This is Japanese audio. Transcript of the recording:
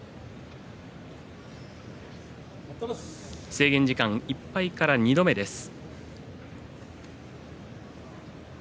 制限時間いっぱいから２度目です。